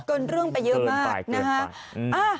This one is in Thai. เกินเรื่องไปเยอะมากนะคะ